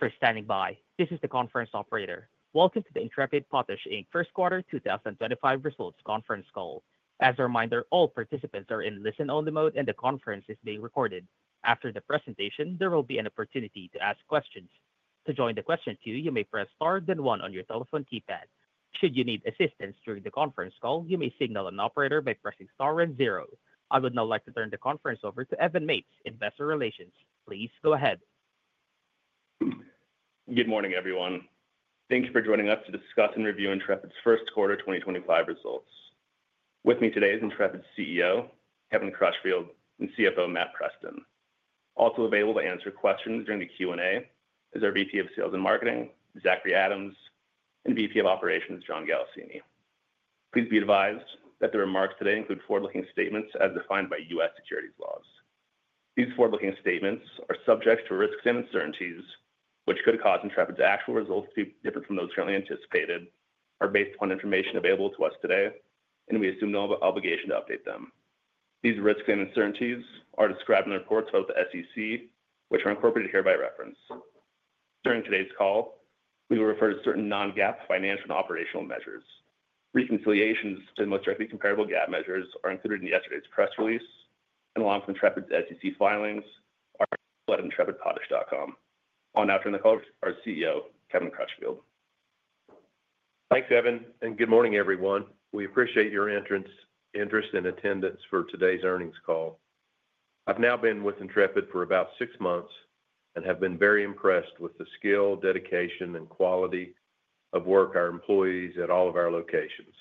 Thank you for standing by. This is the conference operator. Welcome to the Intrepid Potash Inc First Quarter 2025 Results Conference Call. As a reminder, all participants are in listen-only mode, and the conference is being recorded. After the presentation, there will be an opportunity to ask questions. To join the question queue, you may press star then one on your telephone keypad. Should you need assistance during the conference call, you may signal an operator by pressing star and zero. I would now like to turn the conference over to Evan Mapes, Investor Relations. Please go ahead. Good morning, everyone. Thank you for joining us to discuss and review Intrepid's First Quarter 2025 results. With me today is Intrepid's CEO, Kevin Crutchfield, and CFO, Matt Preston. Also available to answer questions during the Q&A is our VP of Sales and Marketing, Zachry Adams, and VP of Operations, John Galassini. Please be advised that the remarks today include forward-looking statements as defined by U.S. Securities laws. These forward-looking statements are subject to risks and uncertainties, which could cause Intrepid's actual results to be different from those currently anticipated, are based upon information available to us today, and we assume no obligation to update them. These risks and uncertainties are described in the reports of the SEC, which are incorporated here by reference. During today's call, we will refer to certain non-GAAP financial and operational measures. Reconciliations to the most directly comparable GAAP measures are included in yesterday's press release, and along with Intrepid's SEC filings, our website is intrepidpotash.com. On now to turn the call over to our CEO, Kevin Crutchfield. Thanks, Evan, and good morning, everyone. We appreciate your interest and attendance for today's earnings call. I've now been with Intrepid for about six months and have been very impressed with the skill, dedication, and quality of work of our employees at all of our locations.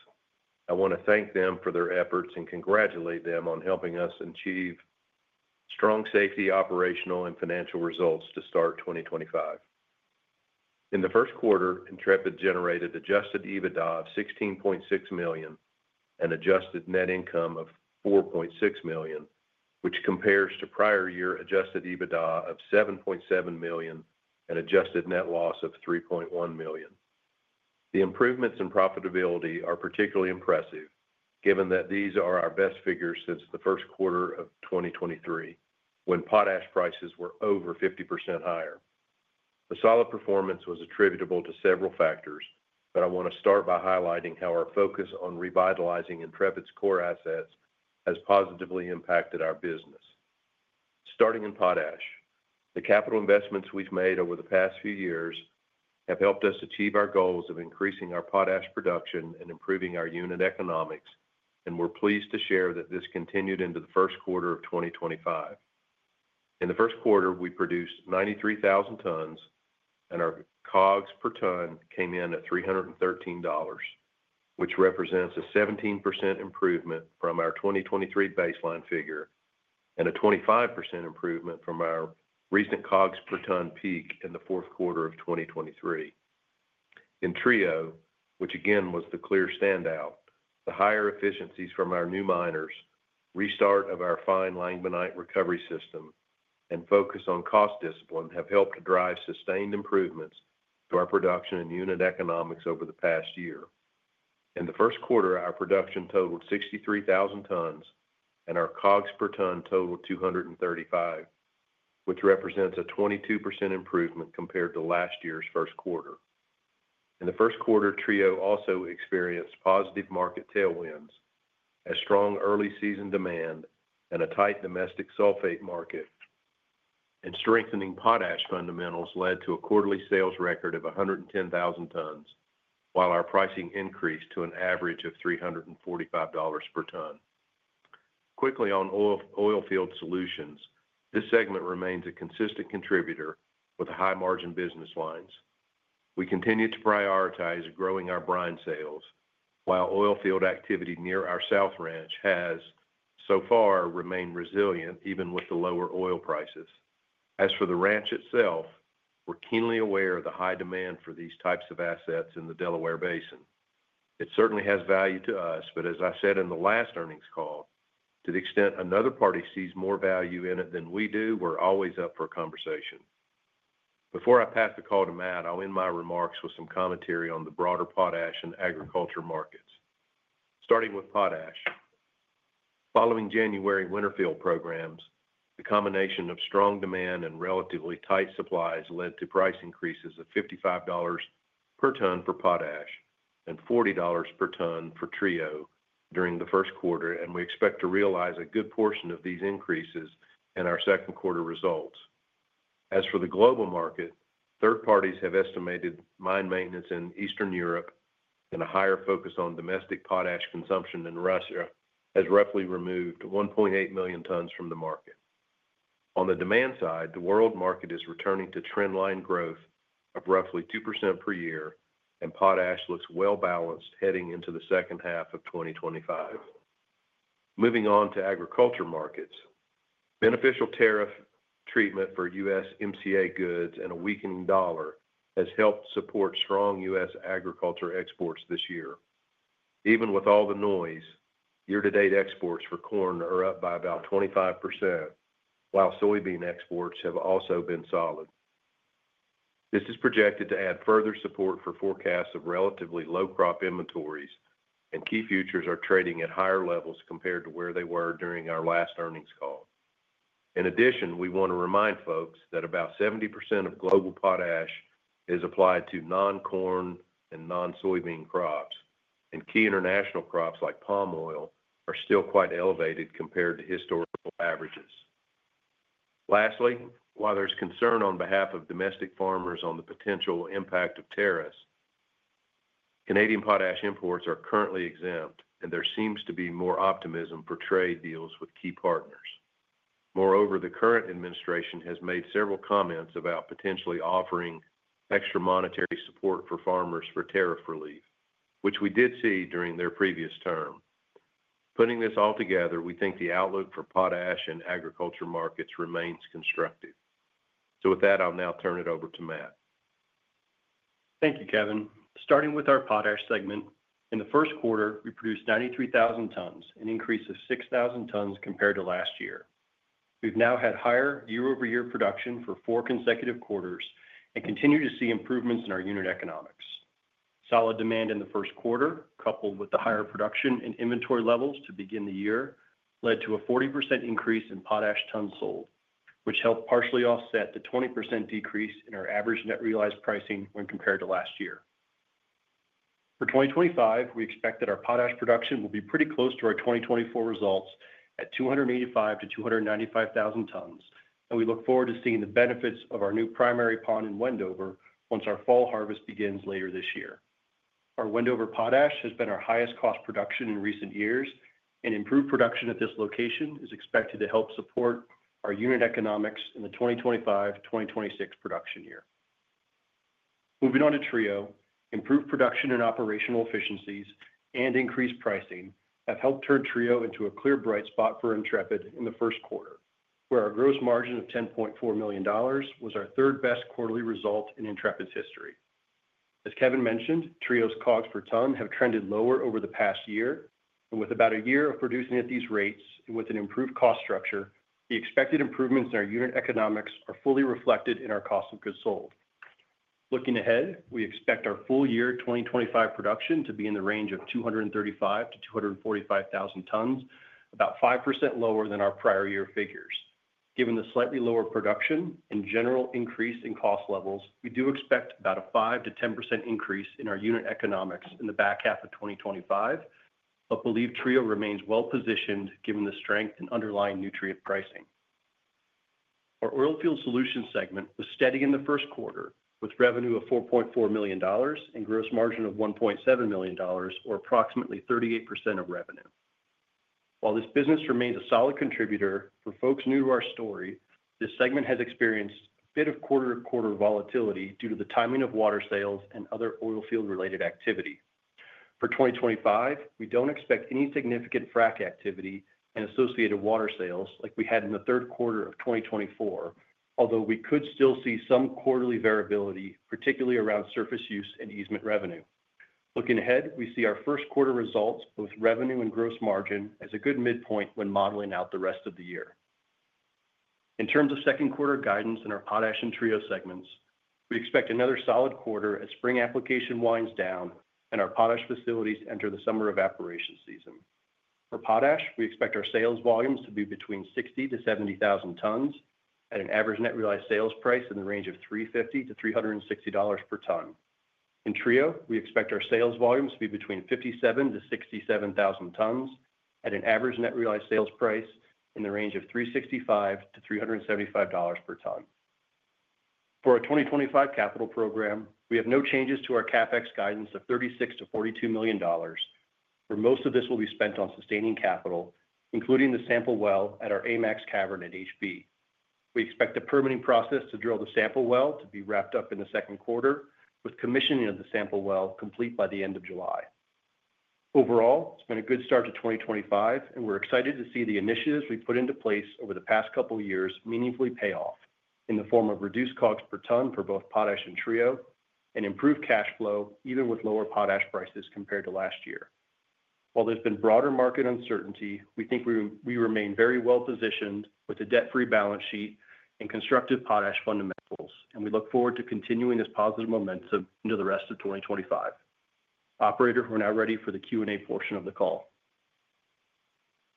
I want to thank them for their efforts and congratulate them on helping us achieve strong safety, operational, and financial results to start 2025. In the first quarter, Intrepid generated adjusted EBITDA of $16.6 million and adjusted net income of $4.6 million, which compares to prior year adjusted EBITDA of $7.7 million and adjusted net loss of $3.1 million. The improvements in profitability are particularly impressive, given that these are our best figures since the first quarter of 2023, when potash prices were over 50% higher. The solid performance was attributable to several factors, but I want to start by highlighting how our focus on revitalizing Intrepid's core assets has positively impacted our business. Starting in potash, the capital investments we've made over the past few years have helped us achieve our goals of increasing our potash production and improving our unit economics, and we're pleased to share that this continued into the first quarter of 2025. In the first quarter, we produced 93,000 tons, and our COGS per ton came in at $313, which represents a 17% improvement from our 2023 baseline figure and a 25% improvement from our recent COGS per ton peak in the fourth quarter of 2023. In Trio, which again was the clear standout, the higher efficiencies from our new miners, restart of our fine langbeinite recovery system, and focus on cost discipline have helped to drive sustained improvements to our production and unit economics over the past year. In the first quarter, our production totaled 63,000 tons, and our COGS per ton totaled $235, which represents a 22% improvement compared to last year's first quarter. In the first quarter, Trio also experienced positive market tailwinds as strong early season demand and a tight domestic sulfate market, and strengthening potash fundamentals led to a quarterly sales record of 110,000 tons, while our pricing increased to an average of $345 per ton. Quickly on oilfield solutions, this segment remains a consistent contributor with high-margin business lines. We continue to prioritize growing our brine sales, while oilfield activity near our South Ranch has so far remained resilient even with the lower oil prices. As for the ranch itself, we're keenly aware of the high demand for these types of assets in the Delaware Basin. It certainly has value to us, but as I said in the last earnings call, to the extent another party sees more value in it than we do, we're always up for a conversation. Before I pass the call to Matt, I'll end my remarks with some commentary on the broader potash and agriculture markets. Starting with potash, following January winter field programs, the combination of strong demand and relatively tight supplies led to price increases of $55 per ton for potash and $40 per ton for Trio during the first quarter, and we expect to realize a good portion of these increases in our second quarter results. As for the global market, third parties have estimated mine maintenance in Eastern Europe and a higher focus on domestic potash consumption in Russia has roughly removed 1.8 million tons from the market. On the demand side, the world market is returning to trendline growth of roughly 2% per year, and potash looks well-balanced heading into the second half of 2025. Moving on to agriculture markets, beneficial tariff treatment for USMCA goods and a weakening dollar has helped support strong U.S. agriculture exports this year. Even with all the noise, year-to-date exports for corn are up by about 25%, while soybean exports have also been solid. This is projected to add further support for forecasts of relatively low crop inventories, and key futures are trading at higher levels compared to where they were during our last earnings call. In addition, we want to remind folks that about 70% of global potash is applied to non-corn and non-soybean crops, and key international crops like palm oil are still quite elevated compared to historical averages. Lastly, while there is concern on behalf of domestic farmers on the potential impact of tariffs, Canadian potash imports are currently exempt, and there seems to be more optimism for trade deals with key partners. Moreover, the current administration has made several comments about potentially offering extra monetary support for farmers for tariff relief, which we did see during their previous term. Putting this all together, we think the outlook for potash and agriculture markets remains constructive. With that, I'll now turn it over to Matt. Thank you, Kevin. Starting with our potash segment, in the first quarter, we produced 93,000 tons, an increase of 6,000 tons compared to last year. We've now had higher year-over-year production for four consecutive quarters and continue to see improvements in our unit economics. Solid demand in the first quarter, coupled with the higher production and inventory levels to begin the year, led to a 40% increase in potash tons sold, which helped partially offset the 20% decrease in our average net realized pricing when compared to last year. For 2025, we expect that our potash production will be pretty close to our 2024 results at 285,000-295,000 tons, and we look forward to seeing the benefits of our new primary pond in Wendover once our fall harvest begins later this year. Our Wendover potash has been our highest-cost production in recent years, and improved production at this location is expected to help support our unit economics in the 2025-2026 production year. Moving on to Trio, improved production and operational efficiencies and increased pricing have helped turn Trio into a clear bright spot for Intrepid in the first quarter, where our gross margin of $10.4 million was our third-best quarterly result in Intrepid's history. As Kevin mentioned, Trio's COGS per ton have trended lower over the past year, and with about a year of producing at these rates and with an improved cost structure, the expected improvements in our unit economics are fully reflected in our cost of goods sold. Looking ahead, we expect our full-year 2025 production to be in the range of 235,000-245,000 tons, about 5% lower than our prior year figures. Given the slightly lower production and general increase in cost levels, we do expect about a 5%-10% increase in our unit economics in the back half of 2025, but believe Trio remains well-positioned given the strength and underlying nutrient pricing. Our oilfield solutions segment was steady in the first quarter, with revenue of $4.4 million and gross margin of $1.7 million, or approximately 38% of revenue. While this business remains a solid contributor, for folks new to our story, this segment has experienced a bit of quarter-to-quarter volatility due to the timing of water sales and other oilfield-related activity. For 2025, we do not expect any significant frac activity and associated water sales like we had in the third quarter of 2024, although we could still see some quarterly variability, particularly around surface use and easement revenue. Looking ahead, we see our first quarter results, both revenue and gross margin, as a good midpoint when modeling out the rest of the year. In terms of second quarter guidance in our potash and Trio segments, we expect another solid quarter as spring application winds down and our potash facilities enter the summer evaporation season. For potash, we expect our sales volumes to be between 60,000 and 70,000 tons at an average net realized sales price in the range of $350-$360 per ton. In Trio, we expect our sales volumes to be between 57,000 and 67,000 tons at an average net realized sales price in the range of $365-$375 per ton. For our 2025 capital program, we have no changes to our CapEx guidance of $36 million-$42 million where most of this will be spent on sustaining capital, including the sample well at our AMAX cavern at HB. We expect the permitting process to drill the sample well to be wrapped up in the second quarter, with commissioning of the sample well complete by the end of July. Overall, it's been a good start to 2025, and we're excited to see the initiatives we put into place over the past couple of years meaningfully pay off in the form of reduced COGS per ton for both potash and Trio and improved cash flow, even with lower potash prices compared to last year. While there's been broader market uncertainty, we think we remain very well-positioned with a debt-free balance sheet and constructive potash fundamentals, and we look forward to continuing this positive momentum into the rest of 2025. Operator, we're now ready for the Q&A portion of the call.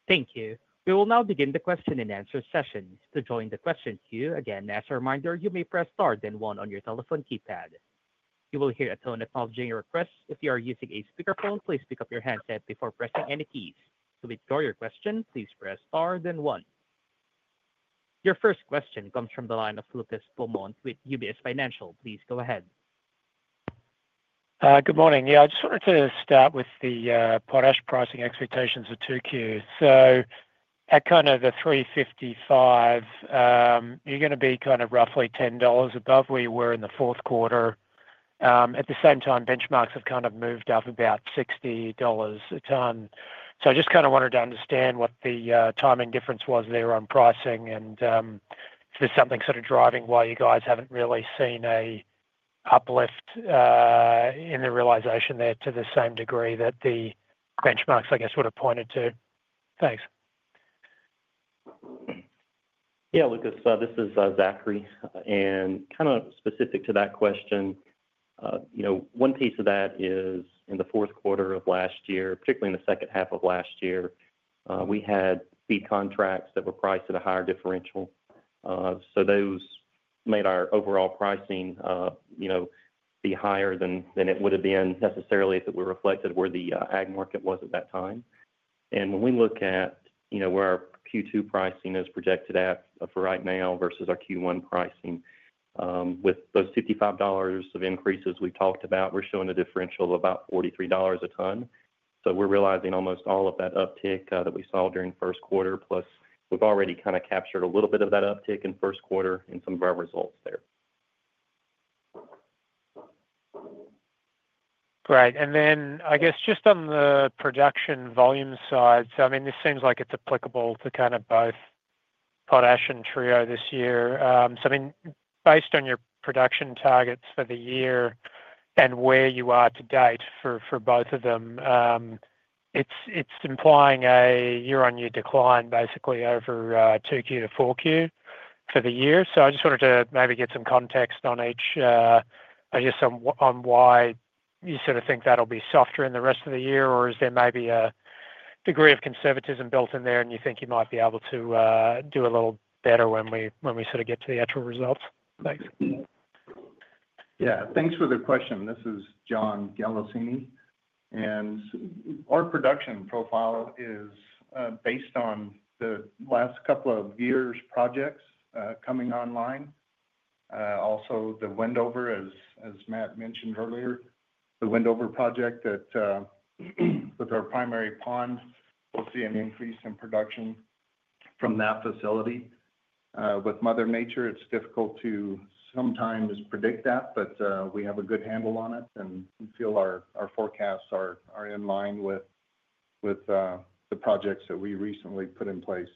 Thank you. We will now begin the question and answer session. To join the question queue, again, as a reminder, you may press star then one on your telephone keypad. You will hear a tone acknowledging your request. If you are using a speakerphone, please pick up your handset before pressing any keys. To withdraw your question, please press star then one. Your first question comes from the line of Lucas Beaumont with UBS Financial. Please go ahead. Good morning. Yeah, I just wanted to start with the potash pricing expectations for 2Q. So at kind of the $355, you're going to be kind of roughly $10 above where you were in the fourth quarter. At the same time, benchmarks have kind of moved up about $60 a ton. I just kind of wanted to understand what the timing difference was there on pricing and if there's something sort of driving why you guys haven't really seen an uplift in the realization there to the same degree that the benchmarks, I guess, would have pointed to. Thanks. Yeah, Lucas, this is Zachry. And kind of specific to that question, one piece of that is in the fourth quarter of last year, particularly in the second half of last year, we had feed contracts that were priced at a higher differential. So those made our overall pricing be higher than it would have been necessarily if it were reflected where the ag market was at that time. And when we look at where our Q2 pricing is projected at for right now versus our Q1 pricing, with those $55 of increases we've talked about, we're showing a differential of about $43 a ton. So we're realizing almost all of that uptick that we saw during first quarter, plus we've already kind of captured a little bit of that uptick in first quarter in some of our results there. All right. I guess just on the production volume side, I mean, this seems like it's applicable to kind of both potash and Trio this year. I mean, based on your production targets for the year and where you are to date for both of them, it's implying a year-on-year decline, basically, over 2Q to 4Q for the year. I just wanted to maybe get some context on each, I guess, on why you sort of think that'll be softer in the rest of the year, or is there maybe a degree of conservatism built in there and you think you might be able to do a little better when we sort of get to the actual results? Thanks. Yeah, thanks for the question. This is John Galassini. Our production profile is based on the last couple of years' projects coming online. Also, the Wendover, as Matt mentioned earlier, the Wendover project with our primary pond, we'll see an increase in production from that facility. With mother nature, it's difficult to sometimes predict that, but we have a good handle on it and feel our forecasts are in line with the projects that we recently put in place.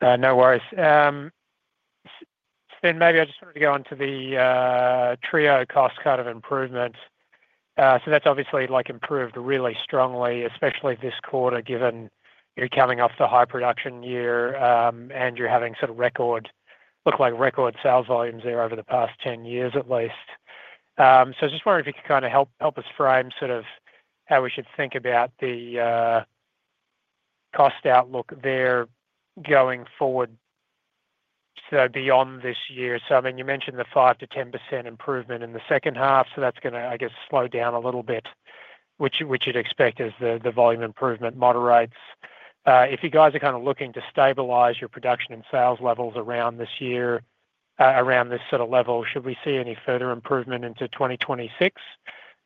No worries. Maybe I just wanted to go on to the Trio cost cut of improvement. That has obviously improved really strongly, especially this quarter, given you are coming off the high production year and you are having sort of record, looks like record sales volumes there over the past 10 years at least. I just wondered if you could kind of help us frame sort of how we should think about the cost outlook there going forward, beyond this year. I mean, you mentioned the 5%-10% improvement in the second half, so that is going to, I guess, slow down a little bit, which you would expect as the volume improvement moderates. If you guys are kind of looking to stabilize your production and sales levels around this year, around this sort of level, should we see any further improvement into 2026,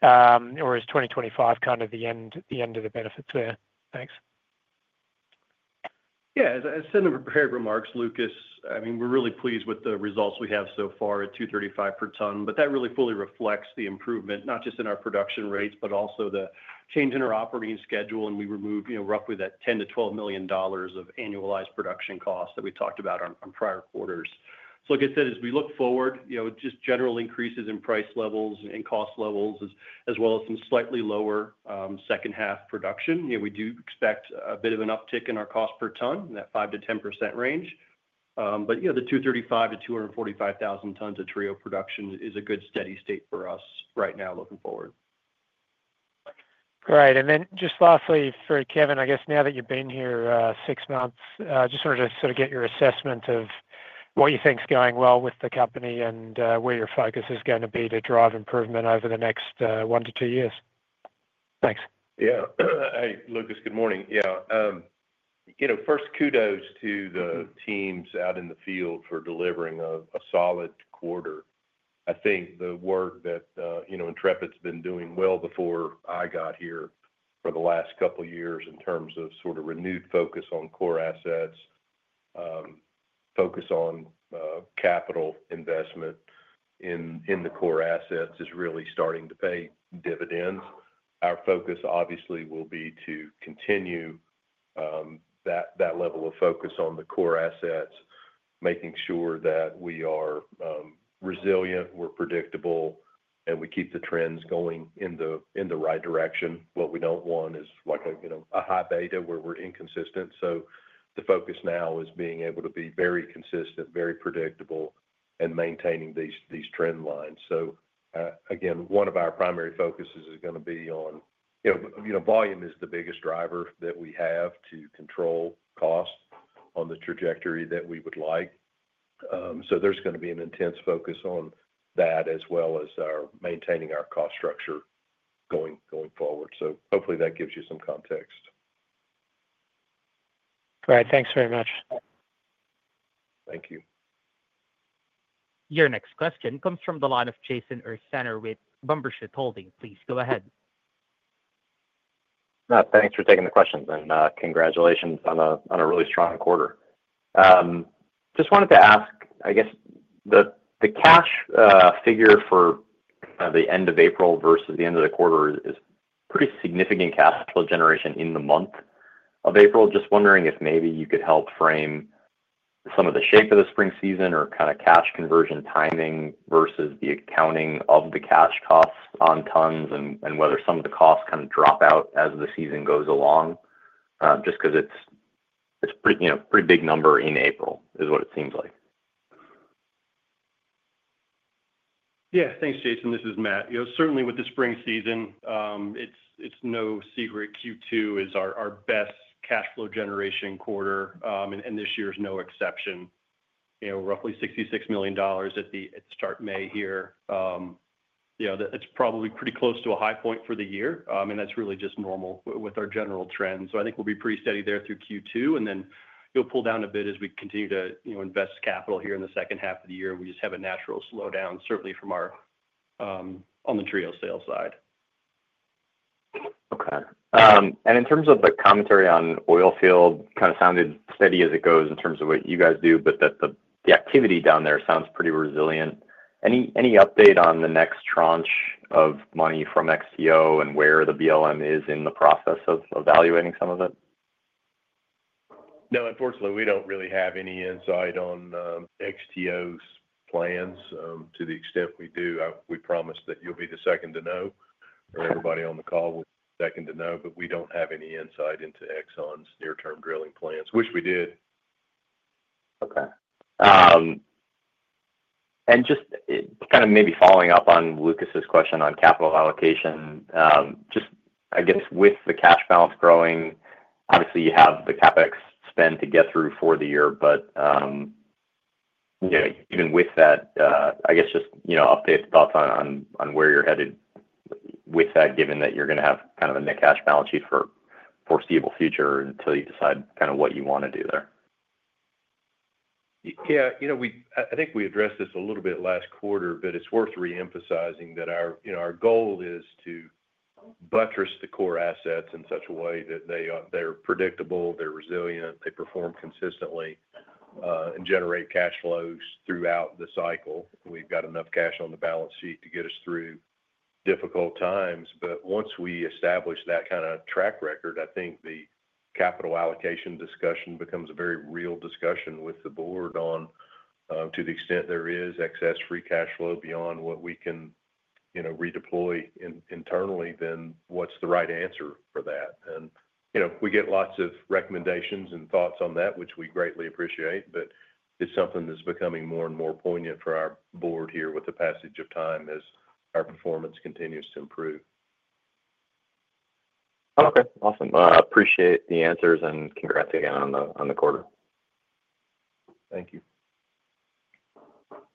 or is 2025 kind of the end of the benefits there? Thanks. as I said in our prepared remarks, Lucas, I mean, we are really pleased with the results we have so far at $235 per ton, but that really fully reflects the improvement, not just in our production rates, but also the change in our operating schedule, and we removed roughly that $10 million-$12 million of annualized production costs that we talked about on prior quarters. Like I said, as we look forward, just general increases in price levels and cost levels, as well as some slightly lower second half production, we do expect a bit of an uptick in our cost per ton, that 5%-10% range. Yeah, the 235,000-245,000 tons of Trio production is a good steady state for us right now looking forward. All right. And then just lastly for Kevin, I guess now that you've been here six months, I just wanted to sort of get your assessment of what you think's going well with the company and where your focus is going to be to drive improvement over the next one to two years. Thanks. Yeah. Hi, Lucas. Good morning. Yeah. First, kudos to the teams out in the field for delivering a solid quarter. I think the work that Intrepid's been doing well before I got here for the last couple of years in terms of sort of renewed focus on core assets, focus on capital investment in the core assets is really starting to pay dividends. Our focus, obviously, will be to continue that level of focus on the core assets, making sure that we are resilient, we're predictable, and we keep the trends going in the right direction. What we do not want is a high beta where we're inconsistent. The focus now is being able to be very consistent, very predictable, and maintaining these trend lines. Again, one of our primary focuses is going to be on volume is the biggest driver that we have to control cost on the trajectory that we would like. There is going to be an intense focus on that as well as maintaining our cost structure going forward. Hopefully that gives you some context. All right. Thanks very much. Thank you. Your next question comes from the line of Jason Ursaner with Bumbershoot Holdings. Please go ahead. Thanks for taking the question, and congratulations on a really strong quarter. Just wanted to ask, I guess, the cash figure for the end of April versus the end of the quarter is pretty significant cash flow generation in the month of April. Just wondering if maybe you could help frame some of the shape of the spring season or kind of cash conversion timing versus the accounting of the cash costs on tons and whether some of the costs kind of drop out as the season goes along, just because it's a pretty big number in April is what it seems like? Yeah. Thanks, Jason. This is Matt. Certainly, with the spring season, it's no secret Q2 is our best cash flow generation quarter, and this year is no exception. Roughly $66 million at the start of May here. It's probably pretty close to a high point for the year, and that's really just normal with our general trend. I think we'll be pretty steady there through Q2, and then it'll pull down a bit as we continue to invest capital here in the second half of the year, and we just have a natural slowdown, certainly from our on the Trio sale side. Okay. In terms of the commentary on oilfield, kind of sounded steady as it goes in terms of what you guys do, but the activity down there sounds pretty resilient. Any update on the next tranche of money from XTO and where the BLM is in the process of evaluating some of it? No, unfortunately, we don't really have any insight on XTO's plans. To the extent we do, we promise that you'll be the second to know, or everybody on the call will be the second to know, but we don't have any insight into Exxon's near-term drilling plans. We wish we did. Okay. And just kind of maybe following up on Lucas's question on capital allocation, just I guess with the cash balance growing, obviously, you have the CapEx spend to get through for the year, but even with that, I guess just update thoughts on where you're headed with that, given that you're going to have kind of a net cash balance sheet for the foreseeable future until you decide kind of what you want to do there. Yeah. I think we addressed this a little bit last quarter, but it's worth reemphasizing that our goal is to buttress the core assets in such a way that they're predictable, they're resilient, they perform consistently, and generate cash flows throughout the cycle. We've got enough cash on the balance sheet to get us through difficult times, but once we establish that kind of track record, I think the capital allocation discussion becomes a very real discussion with the board on, to the extent there is excess free cash flow beyond what we can redeploy internally, then what's the right answer for that? We get lots of recommendations and thoughts on that, which we greatly appreciate, but it's something that's becoming more and more poignant for our board here with the passage of time as our performance continues to improve. Okay. Awesome. Appreciate the answers and congrats again on the quarter. Thank you.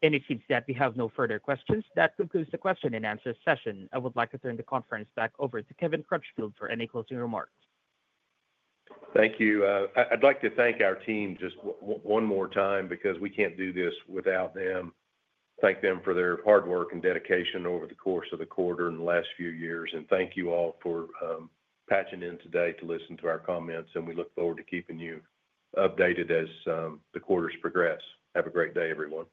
It seems that we have no further questions. That concludes the question and answer session. I would like to turn the conference back over to Kevin Crutchfield for any closing remarks. Thank you. I'd like to thank our team just one more time because we can't do this without them. Thank them for their hard work and dedication over the course of the quarter and last few years. Thank you all for patching in today to listen to our comments, and we look forward to keeping you updated as the quarters progress. Have a great day, everyone.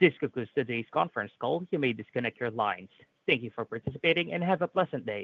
This concludes today's conference call. You may disconnect your lines. Thank you for participating and have a pleasant day.